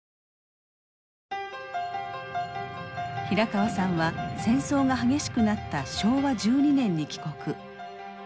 平川さんは戦争が激しくなった昭和１２年に帰国。